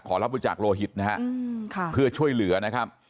รับบริจาคโลหิตนะฮะเพื่อช่วยเหลือนะครับ